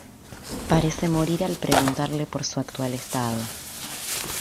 Parece morir al preguntarle por su actual estado.